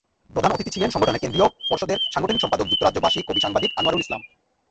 প্রধান অতিথি ছিলেন সংগঠনের কেন্দ্রীয় পর্ষদের সাংগঠনিক সম্পাদক যুক্তরাজ্যপ্রবাসী কবি-সাংবাদিক আনোয়ারুল ইসলাম।